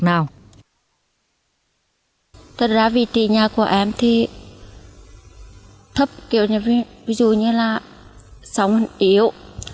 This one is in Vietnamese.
thật ra vị trí nhà của em thì thấp kiểu như ví dụ như là sóng yếu